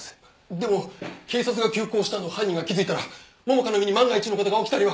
でも警察が急行したのを犯人が気づいたら桃香の身に万が一の事が起きたりは。